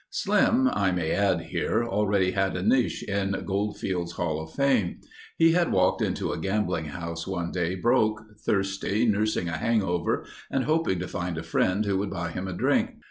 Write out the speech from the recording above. Slim, I may add here, already had a niche in Goldfield's hall of fame. He had walked into a gambling house one day broke, thirsty, nursing a hangover, and hoping to find a friend who would buy him a drink.